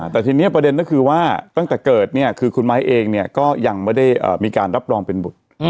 แต่ทีนี้ประเด็นก็คือว่าตั้งแต่เกิดเนี่ยคือคุณไม้เองเนี่ยก็ยังไม่ได้มีการรับรองเป็นบุตร